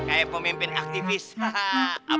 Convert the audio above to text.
kayak pemimpin aktifist